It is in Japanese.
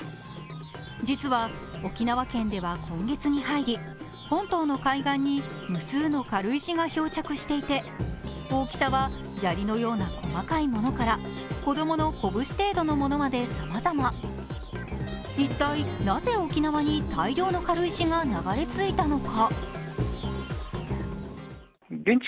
実は沖縄県では今月に入り、本島の海岸に無数の軽石が漂着していて大きさは砂利のような細かいものから拳程度のものまで、さまざま一体なぜ、沖縄に大量の軽石が流れ着いたのか？